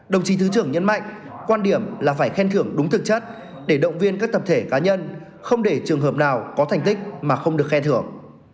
đồng chí thứ trưởng nhấn mạnh quan điểm là phải khen thưởng đúng thực chất để động viên các tập thể cá nhân không để trường hợp nào có thành tích mà không được khen thưởng